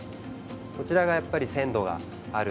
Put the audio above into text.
こちらがやっぱり鮮度がある。